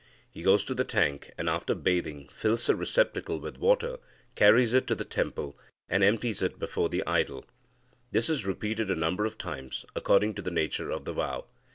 He goes to the tank, and, after bathing, fills the receptacle with water, carries it to the temple, and empties it before the idol. This is repeated a number of times according to the nature of the vow.